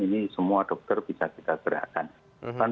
ini semua dokter bisa kita gerakkan